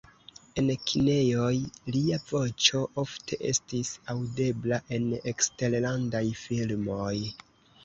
En kinejoj lia voĉo ofte estis aŭdebla en eksterlandaj filmoj.